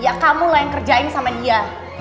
ya kamu lah yang kerjain sama dia